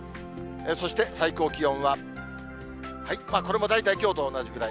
そして最高気温は、これも大体きょうと同じぐらい。